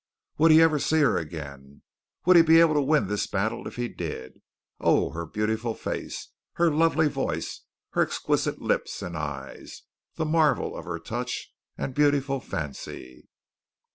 Would he ever see her again? Would he be able to win this battle if he did? Oh, her beautiful face, her lovely voice, her exquisite lips and eyes, the marvel of her touch and beautiful fancy!